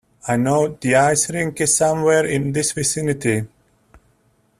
I know the ice rink is somewhere in this vicinity.